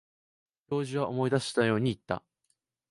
教授は思い出したように言った。